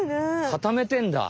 固めてんだ。